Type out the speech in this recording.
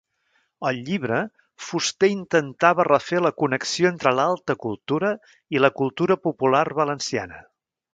Al llibre, Fuster intentava refer la connexió entre l'alta cultura i la cultura popular valenciana.